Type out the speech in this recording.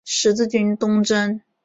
十字军东征。